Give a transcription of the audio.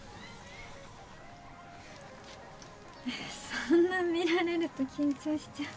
そんな見られると緊張しちゃう